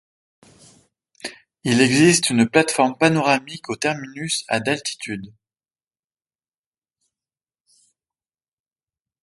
Il existe une plateforme panoramique au terminus à d'altitude.